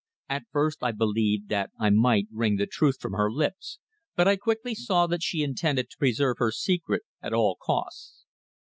At first I believed that I might wring the truth from her lips, but I quickly saw that she intended to preserve her secret at all costs.